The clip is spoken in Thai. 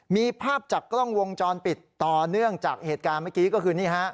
มีภาพจากกล้องวงจรปิดต่อเนื่องจากเหตุการณ์เมื่อกี้ก็คือนี่ฮะ